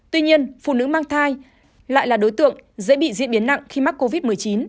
tuy nhiên phụ nữ mang thai lại là đối tượng dễ bị diễn biến nặng khi mắc covid một mươi chín